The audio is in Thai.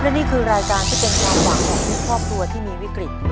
และนี่คือรายการที่เป็นความหวังของทุกครอบครัวที่มีวิกฤต